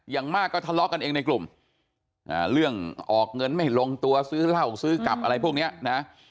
อย่างมากก็ทะเลาะกันเองในกลุ่มเรื่องออกเงินไม่ลงตัวซื้อเหล้าซื้อกลับอะไรพวกนี้นะ